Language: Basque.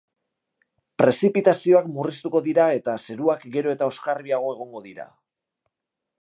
Prezipitazioak murriztuko dira eta zeruak gero eta oskarbiago egongo dira.